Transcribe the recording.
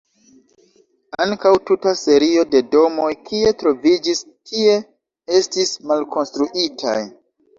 Ankaŭ tuta serio de domoj kie troviĝis tie estis malkonstruitaj.